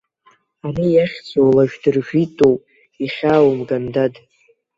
Ари иахьӡу лаж дыржитоуп, ихьааумган, дад.